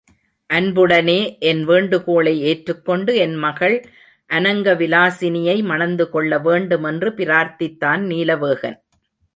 அன்புடனே என் வேண்டுகோளை ஏற்றுக்கொண்டு, என் மகள் அநங்க விலாசினியை மணந்துகொள்ள வேண்டும் என்று பிரார்த்தித்தான் நீலவேகன்.